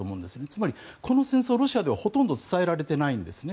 つまりこの戦争、ロシアではほとんど伝えられていないんです